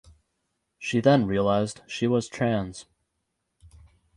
She then realized she was trans.